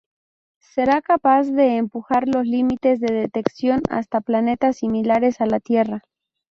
Será capaz de empujar los límites de detección hasta planetas similares a la Tierra.